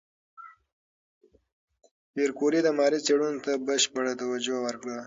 پېیر کوري د ماري څېړنو ته بشپړ توجه ورکړه.